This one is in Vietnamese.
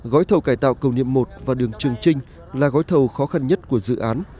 gói thầu cải tạo cầu niềm i và đường trường trinh là gói thầu khó khăn nhất của dự án